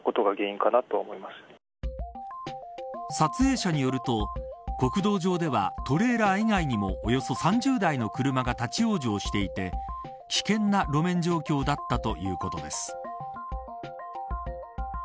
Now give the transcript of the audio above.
撮影者によると国道上ではトレーラー以外にもおよそ３０台の車が立ち往生していて危険な路面状況だったということです。